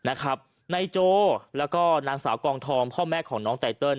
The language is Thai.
นายโจแล้วก็นางสาวกองทองพ่อแม่ของน้องไตเติล